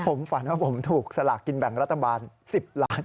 ผมฝันว่าผมถูกสลากกินแบ่งรัฐบาล๑๐ล้าน